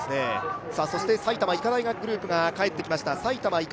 そして埼玉医科大学グループが帰ってきました。